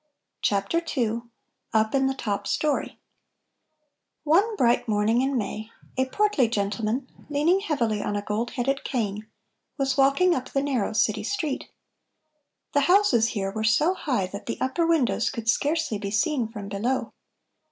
CHAPTER II UP IN THE TOP STORY One bright morning in May, a portly gentleman, leaning heavily on a gold headed cane, was walking up the narrow city street. The houses here were so high that the upper windows could scarcely be seen from below.